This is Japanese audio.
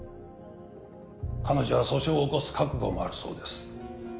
彼女は訴訟を起こす覚悟もあるそうです。